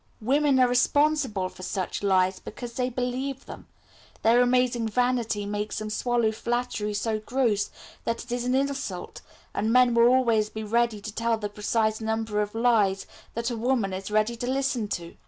Women are responsible for such lies, because they believe them. Their amazing vanity makes them swallow flattery so gross that it is an insult, and men will always be ready to tell the precise number of lies that a woman is ready to listen to.